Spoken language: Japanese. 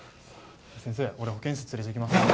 先生俺保健室連れて行きます